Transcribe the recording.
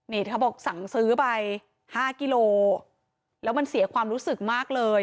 นี่เธอบอกสั่งซื้อไป๕กิโลแล้วมันเสียความรู้สึกมากเลย